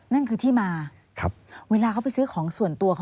นั่นคือที่มาเวลาเขาไปซื้อของส่วนตัวเขา